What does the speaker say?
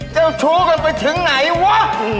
ยังจัวกันไปถึงไหนวะ